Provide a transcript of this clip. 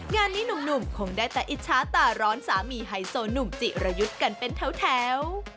งานนี้หนุ่มคงได้แต่อิจฉาตาร้อนสามีไฮโซหนุ่มจิรยุทธ์กันเป็นแถว